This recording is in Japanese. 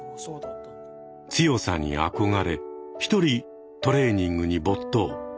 強さに憧れ一人トレーニングに没頭。